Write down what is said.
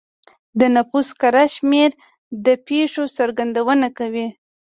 د نفوس کره شمېر د پېښو څرګندونه کوي.